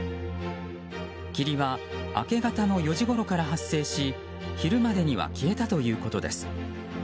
霧は明け方の４時ごろから発生し昼までには消えたということです。